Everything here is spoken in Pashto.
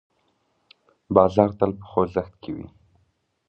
بازار تل په خوځښت کې وي.